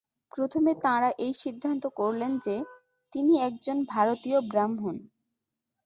প্রথমে তাঁরা এই সিদ্ধান্ত করলেন যে, তিনি একজন ভারতীয় ব্রাহ্মণ।